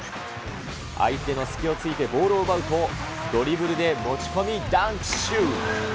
相手の隙をついてボールを奪うと、ドリブルで持ち込み、ダンクシュート。